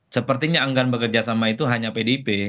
sepertinya anggaran bekerja sama itu hanya pdip